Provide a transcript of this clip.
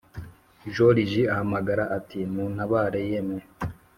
Joriji ahamagara ati:” muntabare yemwe?